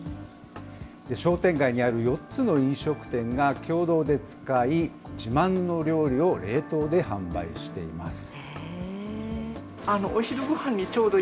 商店街にある４つの飲食店が共同で使い、自慢の料理を冷凍で販売しています。